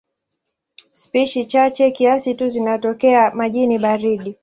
Spishi chache kiasi tu zinatokea majini baridi.